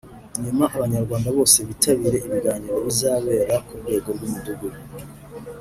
nyuma Abanyarwanda bose bitabire ibiganiro bizabera ku rwego rw’umudugudu